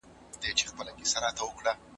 مسواک ووهئ ترڅو ستاسو مال او رزق زیات شي.